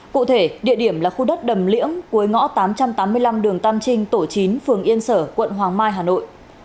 cụ thể địa điểm là khu đất đầm liễng cuối ngõ tám trăm tám mươi năm đường tam trinh tổ chín phường yên sở quận hoàng mai hà nội